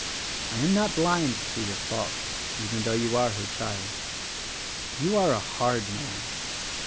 I am not blind to your faults — even though you are her child. You are a hard man.